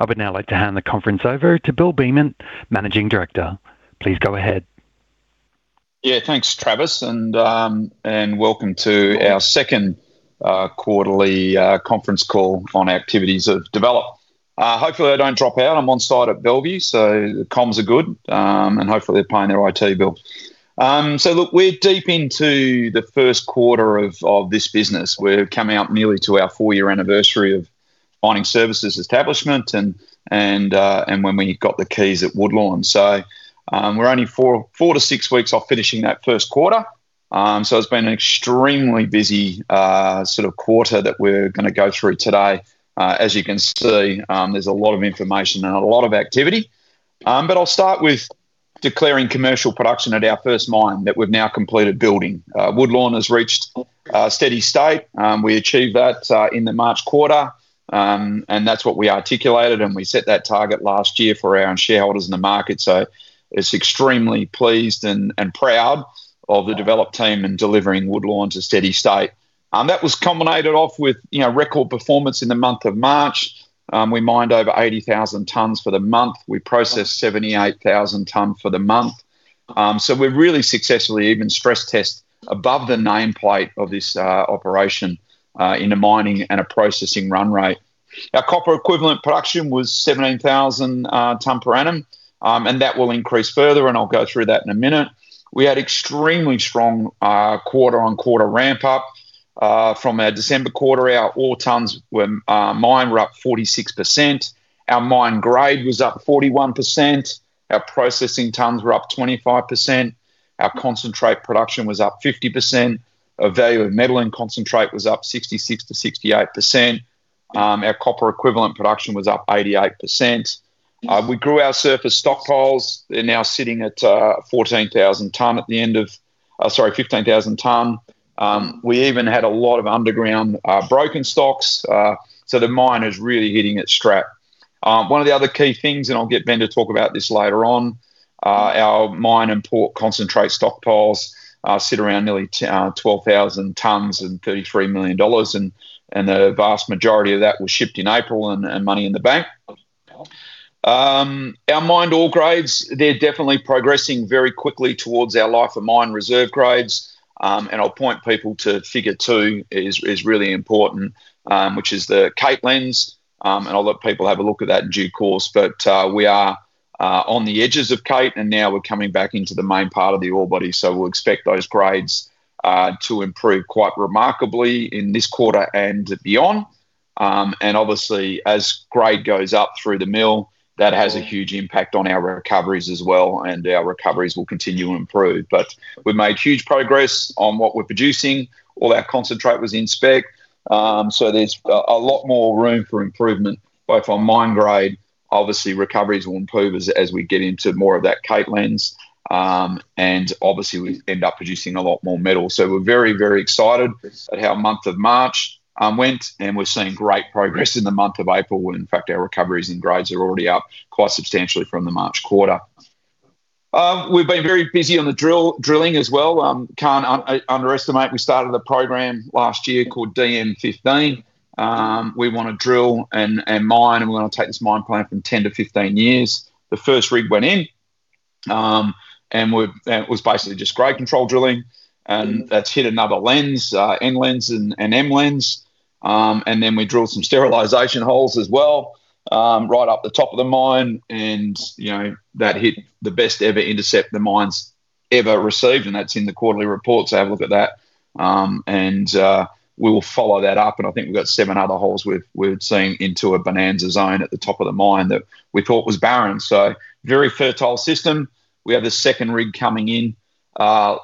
I would now like to hand the conference over to Bill Beament, Managing Director. Please go ahead. Yeah, thanks Travis, and welcome to our second quarterly conference call on activities of DEVELOP. Hopefully I don't drop out. I'm on site at Bellevue, so the comms are good. Hopefully they're paying their IT bill. Look, we're deep into the first quarter of this business. We're coming up nearly to our four-year anniversary of mining services establishment, and when we got the keys at Woodlawn. We're only four to six weeks off finishing that first quarter. It's been an extremely busy sort of quarter that we're going to go through today. As you can see, there's a lot of information and a lot of activity. I'll start with declaring commercial production at our first mine that we've now completed building. Woodlawn has reached a steady state. We achieved that in the March quarter, and that's what we articulated, and we set that target last year for our shareholders in the market. It's extremely pleased and proud of the DEVELOP team in delivering Woodlawn to steady state. That was culminated off with record performance in the month of March. We mined over 80,000 tonnes for the month. We processed 78,000 tonnes for the month. We've really successfully even stress-tested above the nameplate of this operation in a mining and a processing run rate. Our copper equivalent production was 17,000 tonnes per annum, and that will increase further, and I'll go through that in a minute. We had extremely strong quarter-on-quarter ramp up from our December quarter. Our ore tonnes mined were up 46%. Our mined grade was up 41%. Our processing tonnes were up 25%. Our concentrate production was up 50%. Our value of metal and concentrate was up 66%-68%. Our copper equivalent production was up 88%. We grew our surface stockpiles. They're now sitting at 15,000 tonne. We even had a lot of underground broken stocks. The mine is really hitting its strap. One of the other key things, and I'll get Ben to talk about this later on, our mine and port concentrate stockpiles sit around nearly 12,000 tonnes and 33 million dollars, and the vast majority of that was shipped in April and money in the bank. Our mined ore grades, they're definitely progressing very quickly towards our life of mine reserve grades. I'll point people to figure two, which is really important, which is the Kate lens. I'll let people have a look at that in due course. We are on the edges of Kate, and now we're coming back into the main part of the ore body, so we'll expect those grades to improve quite remarkably in this quarter and beyond. Obviously, as grade goes up through the mill, that has a huge impact on our recoveries as well, and our recoveries will continue to improve. We've made huge progress on what we're producing. All our concentrate was in spec. There's a lot more room for improvement, both on mine grade. Obviously, recoveries will improve as we get into more of that Kate lens. Obviously, we end up producing a lot more metal. We're very, very excited at how month of March went, and we're seeing great progress in the month of April, when, in fact, our recoveries and grades are already up quite substantially from the March quarter. We've been very busy on the drilling as well. Can't underestimate, we started a program last year called DN15. We want to drill and mine, and we want to take this mine plan from 10-15 years. The first rig went in. It was basically just grade control drilling, and that's hit another lens, N lens and M lens. Then we drilled some sterilization holes as well, right up the top of the mine and that hit the best ever intercept the mine's ever received, and that's in the quarterly report, so have a look at that. We will follow that up, and I think we've got seven other holes we've seen into a bonanza zone at the top of the mine that we thought was barren. Very fertile system. We have a second rig coming in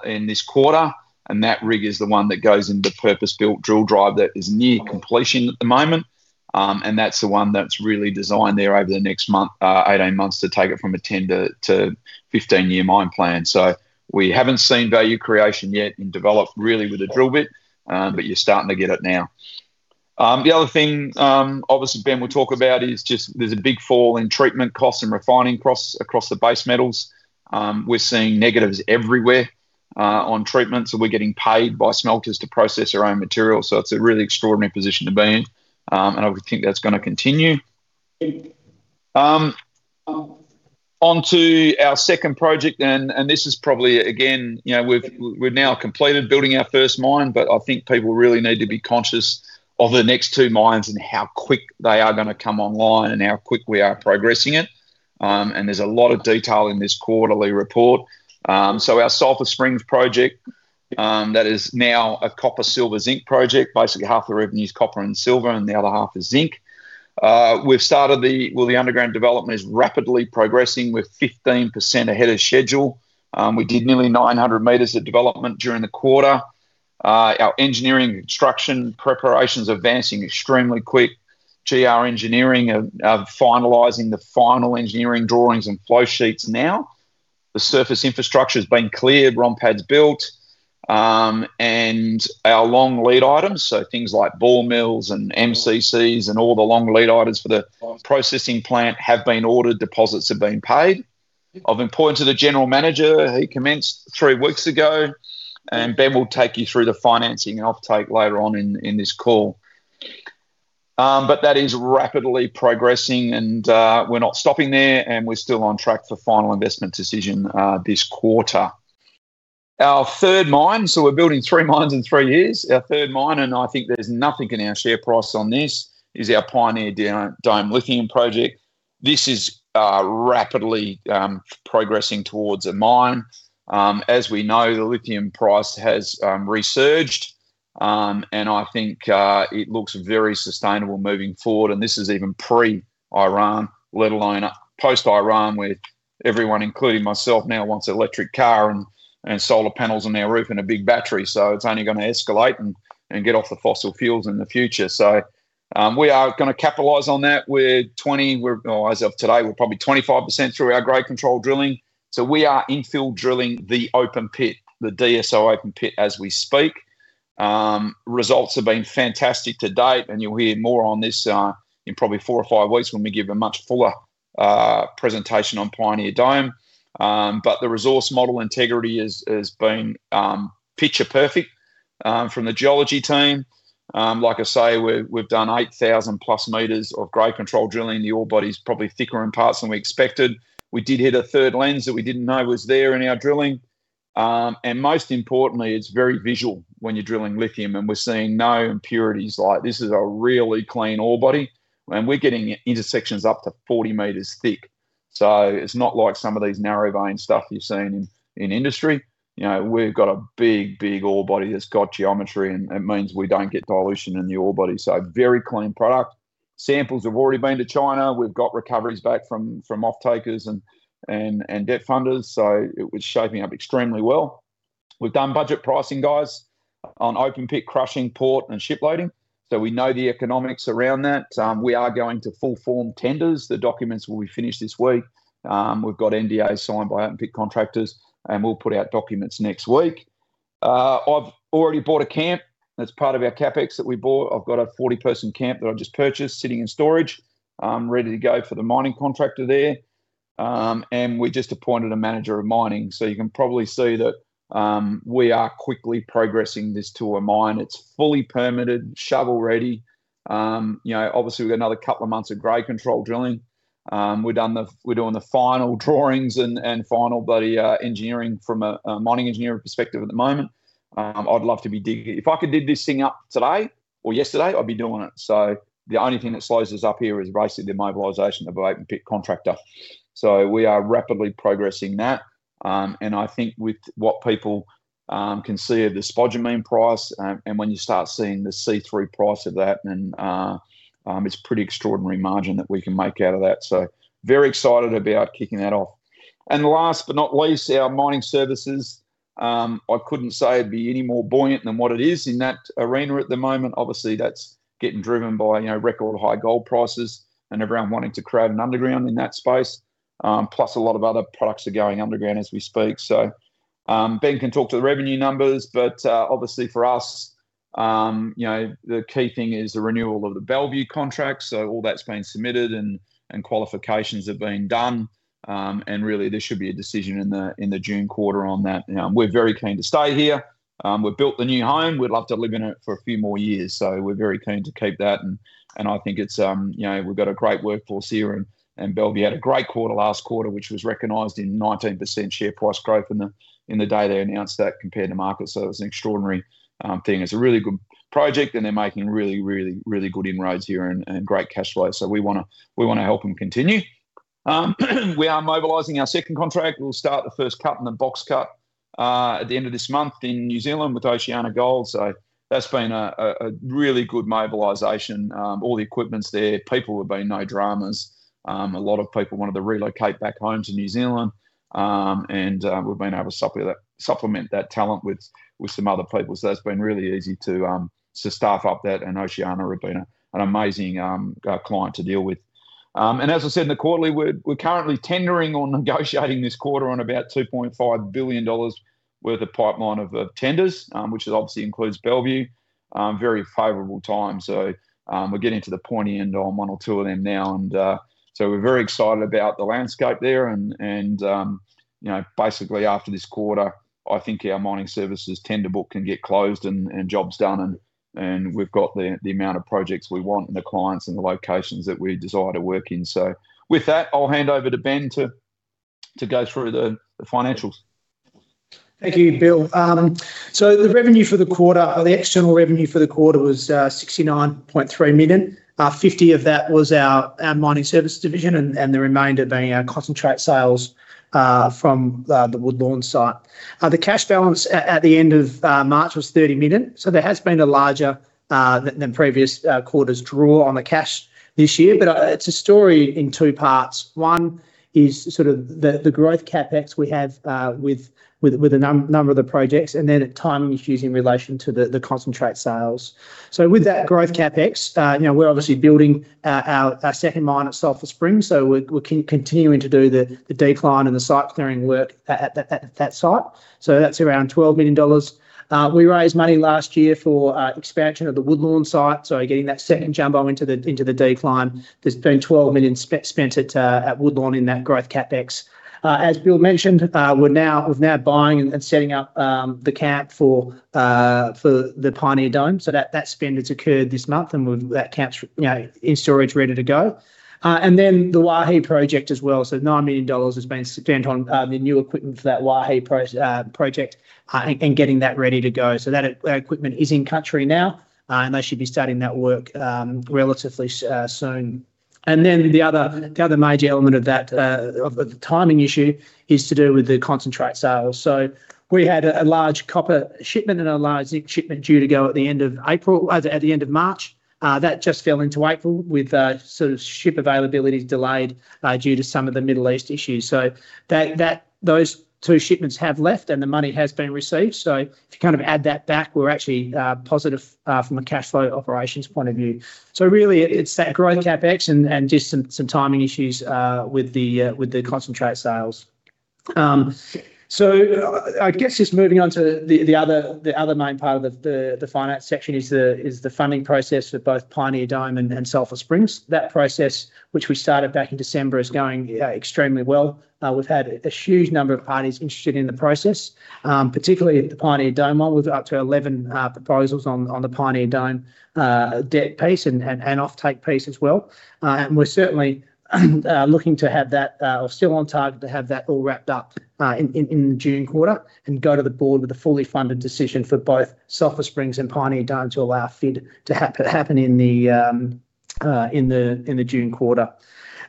in this quarter, and that rig is the one that goes in the purpose-built drill drive that is near completion at the moment. That's the one that's really designed there over the next eight months to take it from a 10-15-year mine plan. We haven't seen value creation yet in DEVELOP really with a drill bit, but you're starting to get it now. The other thing, obviously Ben will talk about, is just there's a big fall in treatment costs and refining costs across the base metals. We're seeing negatives everywhere on treatment. We're getting paid by smelters to process our own material. It's a really extraordinary position to be in. I would think that's going to continue. On to our second project, and this is probably, again, we've now completed building our first mine, but I think people really need to be conscious of the next two mines and how quick they are going to come online and how quick we are progressing it. There's a lot of detail in this quarterly report. Our Sulphur Springs project, that is now a copper, silver, zinc project. Basically, half the revenue is copper and silver, and the other half is zinc. The underground development is rapidly progressing. We're 15% ahead of schedule. We did nearly 900 m of development during the quarter. Our engineering construction preparation's advancing extremely quick. GR Engineering are finalizing the final engineering drawings and flow sheets now. The surface infrastructure has been cleared, rampads built. Our long lead items, so things like ball mills and MCCs and all the long lead items for the processing plant have been ordered, deposits have been paid. I've appointed a general manager. He commenced three weeks ago, and Ben will take you through the financing and offtake later on in this call. That is rapidly progressing and we're not stopping there, and we're still on track for final investment decision this quarter. Our third mine, so we're building three mines in three years. Our third mine, and I think there's nothing in our share price on this, is our Pioneer Dome lithium project. This is rapidly progressing towards a mine. As we know, the lithium price has resurged. I think it looks very sustainable moving forward. This is even pre-Iran, let alone post-Iran, where everyone, including myself now, wants an electric car and solar panels on their roof and a big battery. It's only going to escalate and get off the fossil fuels in the future. We are going to capitalize on that. As of today, we're probably 25% through our grade control drilling. We are infill drilling the open pit, the DSO open pit, as we speak. Results have been fantastic to date, and you'll hear more on this in probably four or five weeks when we give a much fuller presentation on Pioneer Dome. The resource model integrity has been picture perfect from the geology team. Like I say, we've done 8,000+ meters of grade control drilling. The ore body's probably thicker in parts than we expected. We did hit a third lens that we didn't know was there in our drilling. Most importantly, it's very visual when you're drilling lithium, and we're seeing no impurities. This is a really clean ore body, and we're getting intersections up to 40 m thick. It's not like some of these narrow vein stuff you've seen in industry. We've got a big, big ore body that's got geometry, and it means we don't get dilution in the ore body. Very clean product. Samples have already been to China. We've got recoveries back from offtakers and debt funders. It was shaping up extremely well. We've done budget pricing, guys, on open pit crushing port and ship loading. We know the economics around that. We are going to full form tenders. The documents will be finished this week. We've got NDAs signed by open pit contractors, and we'll put out documents next week. I've already bought a camp that's part of our CapEx that we bought. I've got a 40-person camp that I've just purchased sitting in storage, ready to go for the mining contractor there. We just appointed a manager of mining. You can probably see that we are quickly progressing this to a mine. It's fully permitted, shovel-ready. Obviously, we've got another couple of months of grade control drilling. We're doing the final drawings and final bloody engineering from a mining engineering perspective at the moment. If I could do this thing up today or yesterday, I'd be doing it. The only thing that slows us up here is basically the mobilization of the open pit contractor. We are rapidly progressing that. I think with what people can see of the spodumene price, and when you start seeing the C3 price of that, and it's a pretty extraordinary margin that we can make out of that. Very excited about kicking that off. Last but not least, our mining services. I couldn't say it'd be any more buoyant than what it is in that arena at the moment. Obviously, that's getting driven by record high gold prices and everyone wanting to crowd an underground in that space. Plus, a lot of other products are going underground as we speak. Ben can talk to the revenue numbers, but obviously for us, the key thing is the renewal of the Bellevue contract. All that's been submitted and qualifications have been done. Really, there should be a decision in the June quarter on that. We're very keen to stay here. We've built the new home. We'd love to live in it for a few more years. We're very keen to keep that, and I think we've got a great workforce here. Bellevue had a great quarter last quarter, which was recognized in 19% share price growth in the day they announced that compared to market. It was an extraordinary thing. It's a really good project and they're making really good inroads here and great cash flow. We want to help them continue. We are mobilizing our second contract. We'll start the first cut and the box cut at the end of this month in New Zealand with OceanaGold. That's been a really good mobilization. All the equipment's there. People have been no dramas. A lot of people wanted to relocate back home to New Zealand. We've been able to supplement that talent with some other people. That's been really easy to staff up that, and OceanaGold have been an amazing client to deal with. As I said in the quarterly, we're currently tendering or negotiating this quarter on about 2.5 billion dollars worth of pipeline of tenders, which obviously includes Bellevue. Very favorable time. We're getting to the pointy end on one or two of them now. We're very excited about the landscape there. Basically, after this quarter, I think our mining services tender book can get closed and jobs done and we've got the amount of projects we want and the clients and the locations that we desire to work in. With that, I'll hand over to Ben to go through the financials. Thank you, Bill. The revenue for the quarter, or the external revenue for the quarter was 69.3 million. 50 million of that was our mining service division and the remainder being our concentrate sales from the Woodlawn site. The cash balance at the end of March was 30 million. There has been a larger than previous quarters draw on the cash this year. It's a story in two parts. One is sort of the growth CapEx we have with a number of the projects, and then timing issues in relation to the concentrate sales. With that growth CapEx, we're obviously building our second mine at Sulphur Springs, so we're continuing to do the decline and the site clearing work at that site. That's around 12 million dollars. We raised money last year for expansion of the Woodlawn site, so getting that second jumbo into the decline. There's been 12 million spent at Woodlawn in that growth CapEx. As Bill mentioned, we're now buying and setting up the camp for the Pioneer Dome, so that spend has occurred this month, and that camp's in storage ready to go. The Waihi project as well, so 9 million dollars has been spent on the new equipment for that Waihi project and getting that ready to go. That equipment is in country now, and they should be starting that work relatively soon. The other major element of that, of the timing issue, is to do with the concentrate sales. We had a large copper shipment and a large zinc shipment due to go at the end of March. That just fell into April with ship availability delayed due to some of the Middle East issues. That those two shipments have left and the money has been received. If you add that back, we're actually positive from a cash flow operations point of view. Really it's that growth CapEx and just some timing issues with the concentrate sales. I guess just moving on to the other main part of the finance section is the funding process for both Pioneer Dome and Sulphur Springs. That process, which we started back in December, is going extremely well. We've had a huge number of parties interested in the process, particularly at the Pioneer Dome one, with up to 11 proposals on the Pioneer Dome debt piece and offtake piece as well. We're still on target to have that all wrapped up in June quarter and go to the board with a fully funded decision for both Sulphur Springs and Pioneer Dome to allow FID to happen in the June quarter.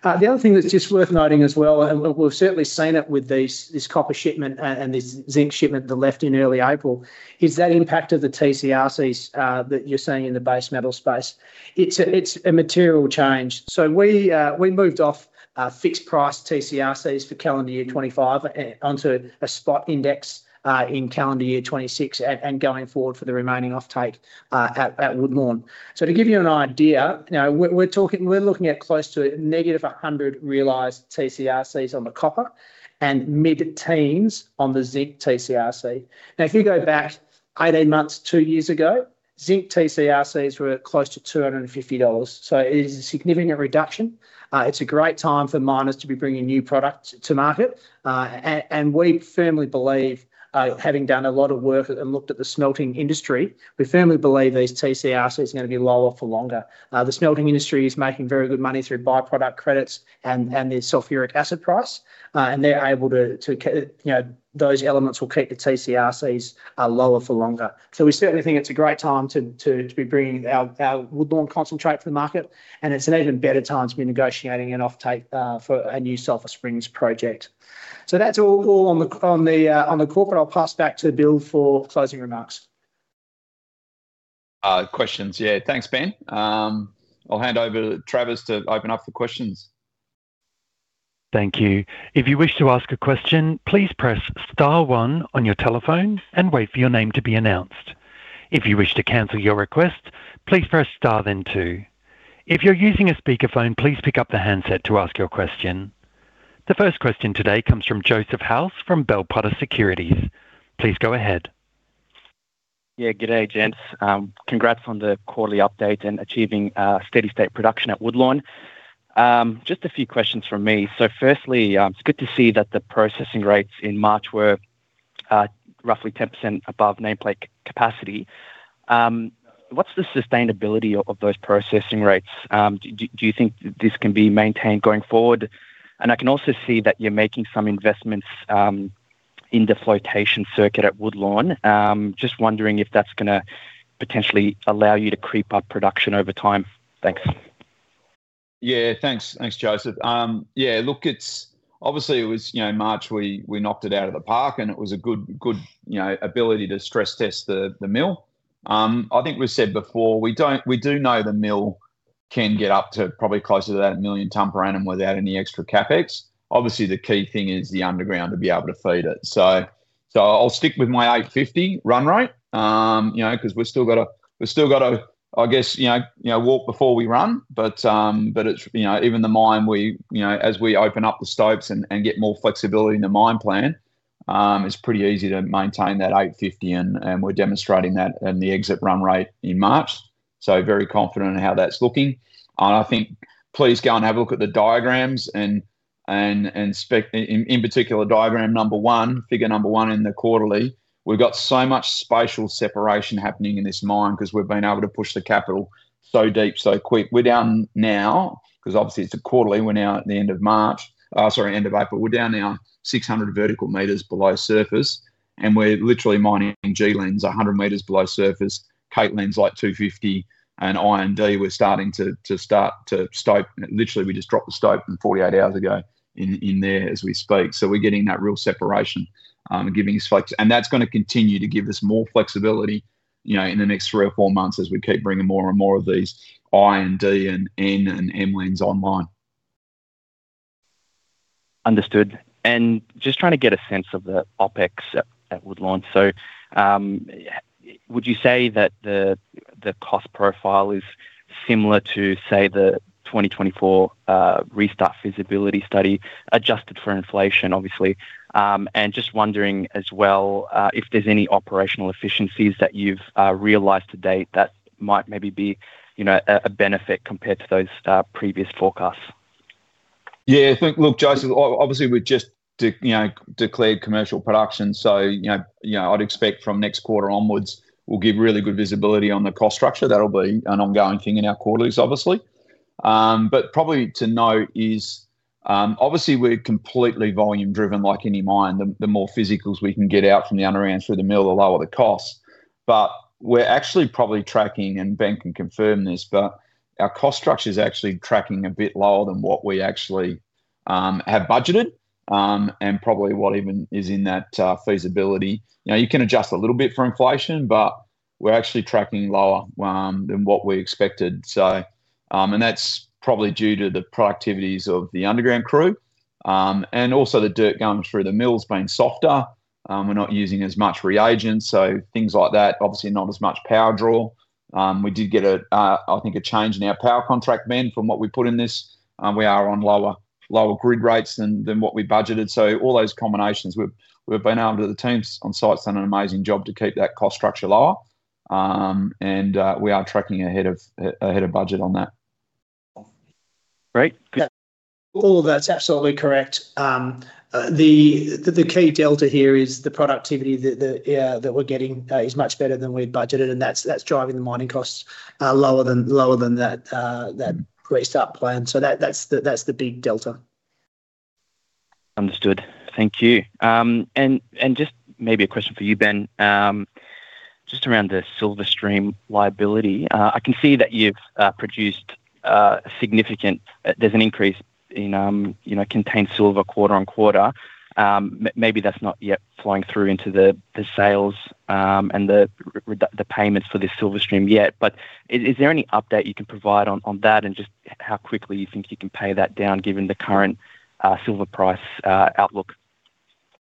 The other thing that's just worth noting as well, and we've certainly seen it with this copper shipment and this zinc shipment that left in early April, is that impact of the TCRCs that you're seeing in the base metal space. It's a material change. We moved off fixed price TCRCs for calendar year 2025 onto a spot index in calendar year 2026 and going forward for the remaining offtake at Woodlawn. To give you an idea, we're looking at close to -100 realized TCRCs on the copper and mid-teens on the zinc TCRC. Now if you go back 18 months, two years ago, zinc TCRCs were close to $250. It is a significant reduction. It's a great time for miners to be bringing new product to market. We firmly believe, having done a lot of work and looked at the smelting industry, we firmly believe these TCRCs are going to be lower for longer. The smelting industry is making very good money through by-product credits and the sulfuric acid price. Those elements will keep the TCRCs lower for longer. We certainly think it's a great time to be bringing our Woodlawn concentrate to the market, and it's an even better time to be negotiating an offtake, for a new Sulphur Springs project. That's all on the corporate. I'll pass back to Bill for closing remarks. Questions. Yeah. Thanks, Ben. I'll hand over to Travis to open up for questions. Thank you. If you wish to ask a question, please press star one on your telephone and wait for your name to be announced. If you wish to cancel your request, please press star then two. If you are using a speaker phone, please pick up the handset to ask your question. The first question today comes from Joseph House from Bell Potter Securities. Please go ahead. Yeah. Good day, gents. Congrats on the quarterly update and achieving steady state production at Woodlawn. Just a few questions from me. Firstly, it's good to see that the processing rates in March were roughly 10% above nameplate capacity. What's the sustainability of those processing rates? Do you think this can be maintained going forward? I can also see that you're making some investments in the flotation circuit at Woodlawn. Just wondering if that's going to potentially allow you to creep up production over time. Thanks. Yeah. Thanks, Joseph. Yeah, look, obviously it was March, we knocked it out of the park and it was a good ability to stress test the mill. I think we've said before, we do know the mill can get up to probably closer to that 1 million ton per annum without any extra CapEx. Obviously, the key thing is the underground to be able to feed it. I'll stick with my 850 run rate. Because we've still got to, I guess, walk before we run. Even the mine, as we open up the stopes and get more flexibility in the mine plan, it's pretty easy to maintain that 850 and we're demonstrating that in the exit run rate in March. Very confident in how that's looking. I think please go and have a look at the diagrams. In particular, diagram number one, figure number one in the quarterly. We've got so much spatial separation happening in this mine because we've been able to push the capital so deep, so quick. We're down now, because obviously it's a quarterly, we're now at the end of March. Sorry, end of April. We're down now 600 vertical meters below surface, and we're literally mining in G Lens 100 m below surface. Kate Lens like 250 m. I&D, we're starting to stope. Literally, we just dropped the stope from 48 hours ago in there as we speak. We're getting that real separation, giving us flex. That's going to continue to give us more flexibility in the next three or four months as we keep bringing more and more of these I&D and N and M wings online. Understood. Just trying to get a sense of the OpEx at Woodlawn. Would you say that the cost profile is similar to, say, the 2024 restart feasibility study, adjusted for inflation, obviously? Just wondering as well, if there's any operational efficiencies that you've realized to date that might maybe be a benefit compared to those previous forecasts? Yeah, look, Joseph, obviously we've just declared commercial production, so I'd expect from next quarter onwards, we'll give really good visibility on the cost structure. That'll be an ongoing thing in our quarterlies, obviously. Probably to note is, obviously we're completely volume driven like any mine. The more physicals we can get out from the underground through the mill, the lower the cost. We're actually probably tracking, and Ben can confirm this, but our cost structure's actually tracking a bit lower than what we actually have budgeted, and probably what even is in that feasibility. You can adjust a little bit for inflation, but we're actually tracking lower than what we expected. That's probably due to the productivities of the underground crew. Also the dirt going through the mill has been softer. We're not using as much reagents, so things like that. Obviously, not as much power draw. We did get, I think, a change in our power contract, Ben, from what we put in this. We are on lower grid rates than what we budgeted. All those combinations. The teams on site has done an amazing job to keep that cost structure lower. We are tracking ahead of budget on that. Great. All that's absolutely correct. The key delta here is the productivity that we're getting is much better than we'd budgeted, and that's driving the mining costs lower than that restart plan. That's the big delta. Understood. Thank you. Just maybe a question for you, Ben, just around the silver stream liability. I can see that you've produced a significant increase in contained silver quarter on quarter. Maybe that's not yet flowing through into the sales and the payments for this silver stream yet. Is there any update you can provide on that and just how quickly you think you can pay that down given the current silver price outlook?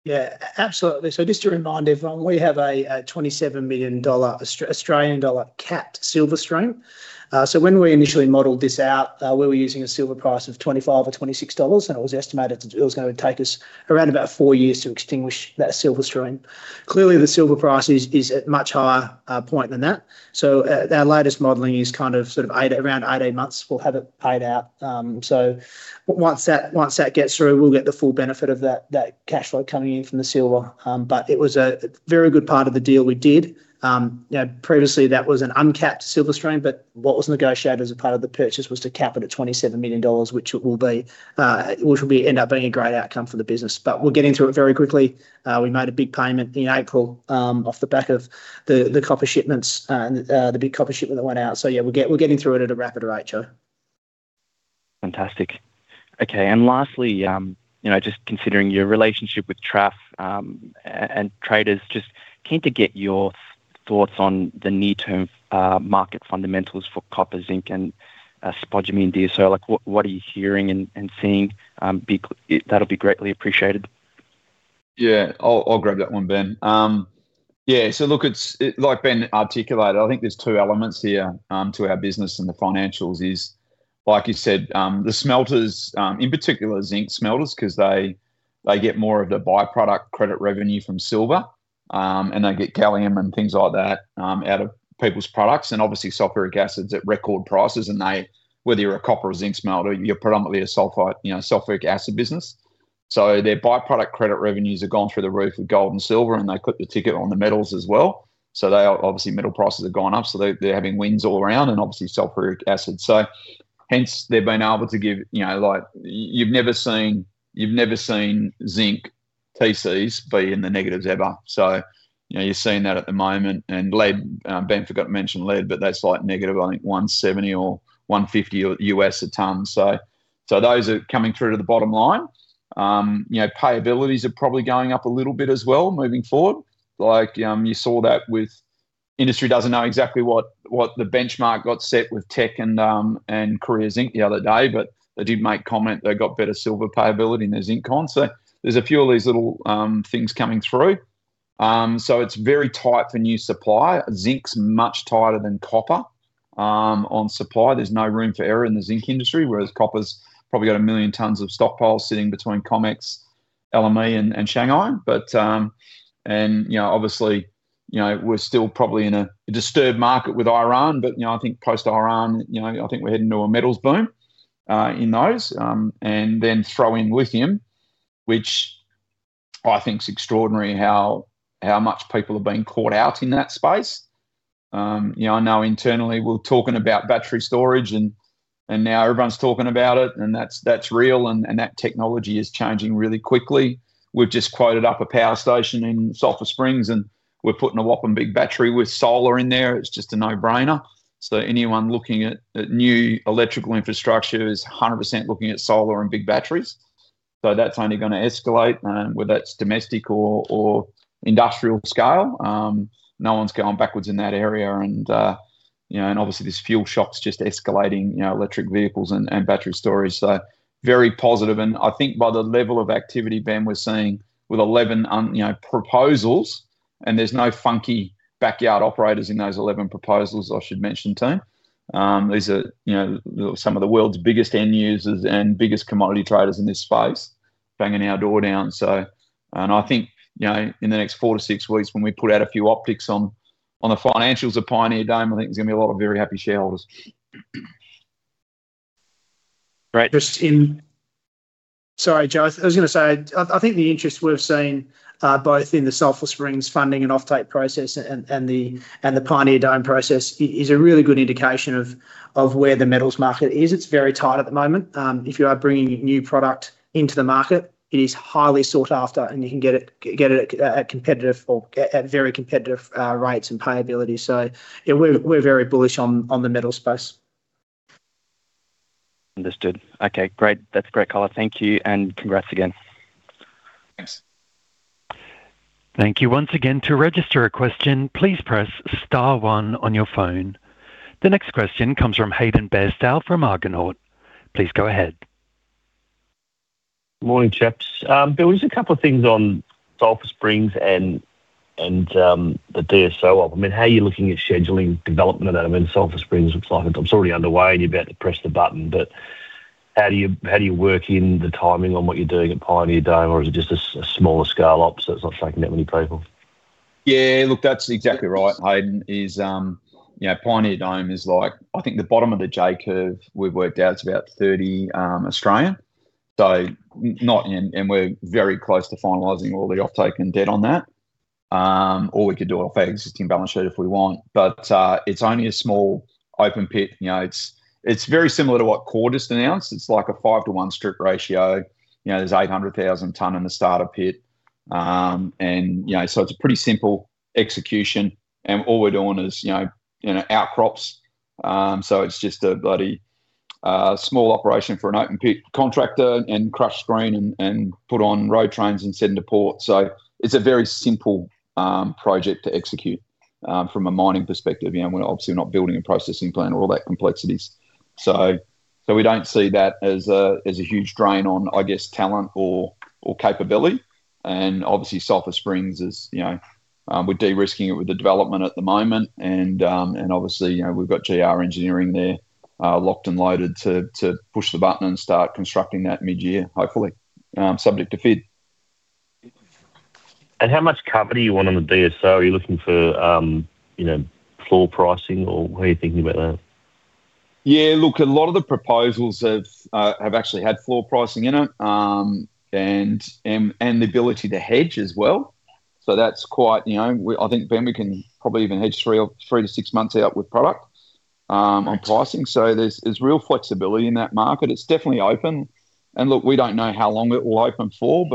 Yeah, absolutely. Just to remind everyone, we have a 27 million Australian dollar capped silver stream. When we initially modeled this out, we were using a silver price of $25 or $26, and it was estimated it was going to take us around about four years to extinguish that silver stream. Clearly, the silver price is at much higher point than that. Our latest modeling is kind of around 18 months, we'll have it paid out. Once that gets through, we'll get the full benefit of that cash flow coming in from the silver. It was a very good part of the deal we did. Previously, that was an uncapped silver stream, but what was negotiated as a part of the purchase was to cap it at 27 million dollars, which will end up being a great outcome for the business. We're getting through it very quickly. We made a big payment in April off the back of the copper shipments, the big copper shipment that went out. Yeah, we're getting through it at a rapid rate, Joe. Fantastic. Okay, and lastly, just considering your relationship with Trafigura and traders, just keen to get your thoughts on the near-term market fundamentals for copper, zinc and spodumene DSO. What are you hearing and seeing? That'll be greatly appreciated. Yeah, I'll grab that one, Ben. Yeah, so look, it's like Ben articulated, I think there's two elements here to our business and the financials is, like you said, the smelters, in particular zinc smelters, because they get more of the by-product credit revenue from silver, and they get gallium and things like that out of people's products. Obviously sulfuric acid's at record prices, and whether you're a copper or zinc smelter, you're predominantly a sulfide, sulfuric acid business. Their by-product credit revenues have gone through the roof with gold and silver, and they clip the ticket on the metals as well. Obviously metal prices have gone up, so they're having wins all around and obviously sulfuric acid. Hence they've been able to give, like you've never seen zinc TCs be in the negatives ever. You're seeing that at the moment. Lead, Ben forgot to mention lead, but that's like negative, I think, $170 or $150 a ton. Those are coming through to the bottom line. Payabilities are probably going up a little bit as well moving forward. Like you saw that with industry doesn't know exactly what the benchmark got set with Teck and Korea Zinc the other day, but they did make comment they got better silver payability in their zinc con. There's a few of these little things coming through. It's very tight for new supply. Zinc's much tighter than copper on supply. There's no room for error in the zinc industry, whereas copper's probably got 1 million tons of stockpiles sitting between COMEX, LME and Shanghai. Obviously, we're still probably in a disturbed market with Iran. I think post Iran, I think we're heading to a metals boom in those. Then throw in lithium, which I think is extraordinary how much people are being caught out in that space. I know internally we're talking about battery storage and now everyone's talking about it, and that's real and that technology is changing really quickly. We've just quoted up a power station in Sulphur Springs, and we're putting a whopping big battery with solar in there. It's just a no-brainer. Anyone looking at new electrical infrastructure is 100% looking at solar and big batteries. That's only going to escalate, whether that's domestic or industrial scale. No one's going backwards in that area. Obviously, there's fuel shocks just escalating electric vehicles and battery storage. Very positive. I think by the level of activity, Ben, we're seeing with 11 proposals, and there's no funky backyard operators in those 11 proposals, I should mention, Tim. These are some of the world's biggest end users and biggest commodity traders in this space banging our door down. I think, in the next four, six weeks when we put out a few optics on the financials of Pioneer Dome, I think there's going to be a lot of very happy shareholders. Great. Sorry, Joe, I was going to say, I think the interest we've seen both in the Sulphur Springs funding and offtake process and the Pioneer Dome process is a really good indication of where the metals market is. It's very tight at the moment. If you are bringing new product into the market, it is highly sought after, and you can get it at competitive or at very competitive rates and payability. Yeah, we're very bullish on the metals space. Understood. Okay, great. That's great color. Thank you, and congrats again. Thanks. Thank you once again. To register a question, please press star one on your phone. The next question comes from Hayden Bairstow from Argonaut. Please go ahead. Morning, chaps. Bill, just a couple of things on Sulphur Springs and the DSO of them, and how you're looking at scheduling development. I mean, Sulphur Springs looks like it's already underway and you're about to press the button. How do you work in the timing on what you're doing at Pioneer Dome, or is it just a smaller scale op, so it's not taking that many people? Yeah, look, that's exactly right, Hayden. Pioneer Dome is like, I think the bottom of the J curve, we've worked out it's about 30. Not in, and we're very close to finalizing all the offtake and debt on that. We could do it off our existing balance sheet if we want. It's only a small open pit. It's very similar to what Cygnus announced. It's like a 5-to-1 strip ratio. There's 800,000 tonnes in the starter pit. It's a pretty simple execution, and all we're doing is in our outcrops. It's just a bloody small operation for an open pit contractor and crush, screen, and put on road trains and send to port. It's a very simple project to execute from a mining perspective. We're obviously not building a processing plant or all that complexities. We don't see that as a huge drain on, I guess, talent or capability. Obviously Sulphur Springs is, we're de-risking it with the development at the moment. Obviously, we've got GR Engineering there locked and loaded to push the button and start constructing that mid-year, hopefully, subject to FID. How much cover do you want on the DSO? Are you looking for floor pricing or what are you thinking about that? Yeah, look, a lot of the proposals have actually had floor pricing in it, and the ability to hedge as well. That's quite. I think Ben, we can probably even hedge three or six months out with product on pricing. There's real flexibility in that market. It's definitely open. Look, we don't know how long it will open for,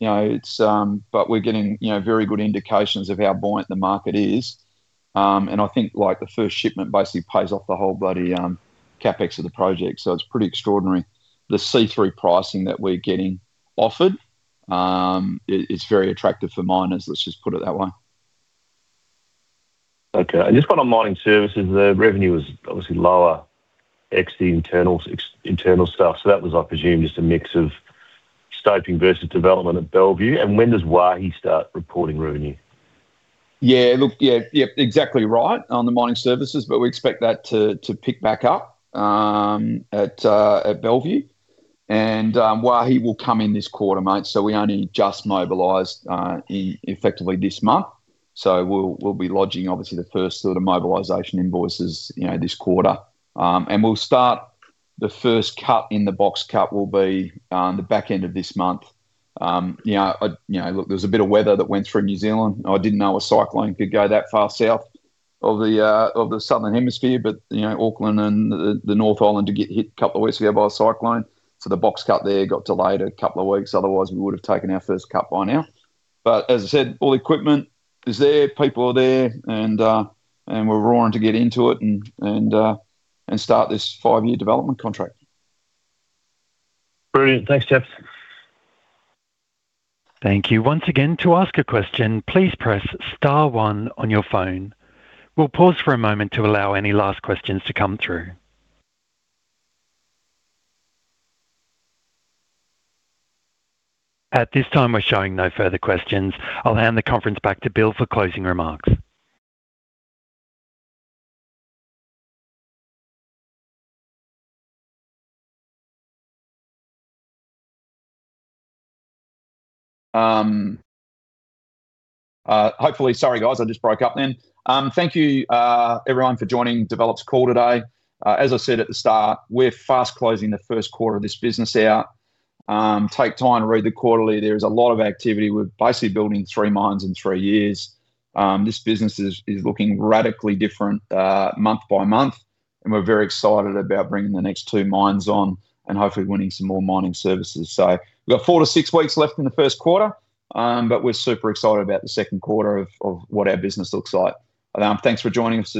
but we're getting very good indications of how buoyant the market is. I think like the first shipment basically pays off the whole bloody CapEx of the project. It's pretty extraordinary. The C3 pricing that we're getting offered, it's very attractive for miners, let's just put it that way. Okay. Just one on mining services there. Revenue was obviously lower ex the internal stuff. That was, I presume, just a mix of scoping versus development at Bellevue. When does Waihi start reporting revenue? Yeah. Look, yeah, exactly right on the mining services, but we expect that to pick back up at Bellevue. Waihi will come in this quarter, mate. We only just mobilized effectively this month. We'll be lodging, obviously, the first sort of mobilization invoices this quarter. We'll start the first cut in the box cut. It will be on the back end of this month. Look, there was a bit of weather that went through New Zealand. I didn't know a cyclone could go that far south of the Southern Hemisphere. Auckland and the North Island did get hit a couple of weeks ago by a cyclone. The box cut there got delayed a couple of weeks. Otherwise, we would have taken our first cut by now. As I said, all the equipment is there, people are there and we're raring to get into it and start this five-year development contract. Brilliant. Thanks, chaps. Thank you. Once again, to ask a question, please press star one on your phone. We'll pause for a moment to allow any last questions to come through. At this time, we're showing no further questions. I'll hand the conference back to Bill for closing remarks. Hopefully. Sorry guys, I just broke up then. Thank you everyone for joining DEVELOP's call today. As I said at the start, we're fast closing the first quarter of this business out. Take time to read the quarterly. There is a lot of activity. We're basically building three mines in three years. This business is looking radically different month by month, and we're very excited about bringing the next two mines on and hopefully winning some more mining services. We've got four to six weeks left in the first quarter, but we're super excited about the second quarter of what our business looks like. Thanks for joining us.